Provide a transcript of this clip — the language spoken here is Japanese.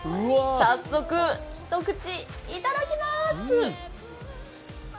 早速一口いただきます。